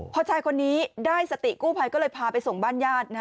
พอชายคนนี้ได้สติกู้ภัยก็เลยพาไปส่งบ้านญาติ